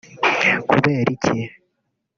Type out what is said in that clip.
Kubera iki